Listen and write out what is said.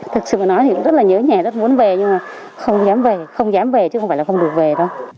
thực sự mà nói thì cũng rất là nhớ nhà rất muốn về nhưng mà không dám về không dám về chứ không phải là không được về đâu